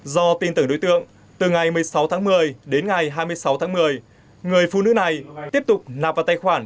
do tin tưởng đối tượng từ ngày một mươi sáu tháng một mươi đến ngày hai mươi sáu tháng một mươi người phụ nữ này tiếp tục nạp vào tài khoản